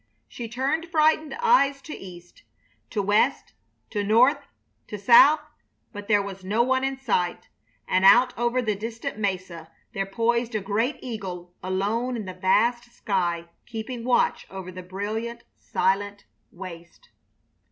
She turned frightened eyes to east, to west, to north, to south, but there was no one in sight, and out over the distant mesa there poised a great eagle alone in the vast sky keeping watch over the brilliant, silent waste.